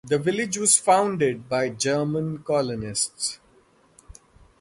The village was founded by German colonists.